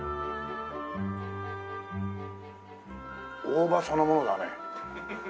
大葉そのものだね。